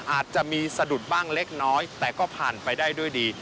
อาจจะมีสะดุดบ้างเล็กน้อยแต่ก็ผ่านไปได้ด้วยดี